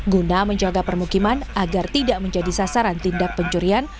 guna menjaga permukiman agar tidak menjadi sasaran tindak pencurian